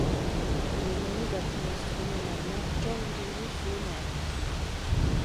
Il est nommé d'après l'astronome allemand Karl Julius Lohnert.